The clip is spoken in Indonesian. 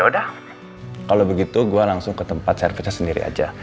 ya udah kalo begitu gue langsung ke tempat servisnya sendiri aja